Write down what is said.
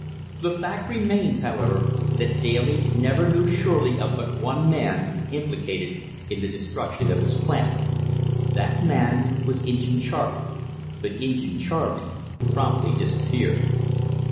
The fact remains, however, that Daly never knew surely of but one man implicated in the destruction of his plant. That man was Injin Charley, but Injin Charley promptly disappeared.